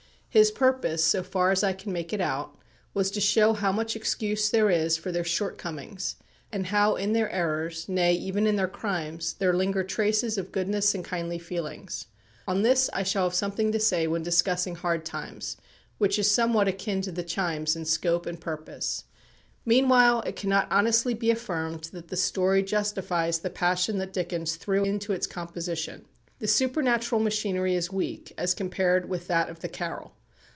His purpose, so far as I can make it out, was to show how much excuse there is for their shortcomings, and how in their errors, nay even in their crimes, there linger traces of goodness and kindly feeling. On this I shall have something to say when discussing "Hard Times," which is somewhat akin to "The Chimes" in scope and purpose. Meanwhile it cannot honestly be affirmed that the story justifies the passion that Dickens threw into its composition. The supernatural machinery is weak as compared with that of the "Carol."